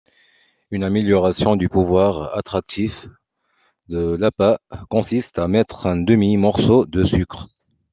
Une amélioration du pouvoir attractif de l'appât consiste à mettre un demi-morceau de sucre.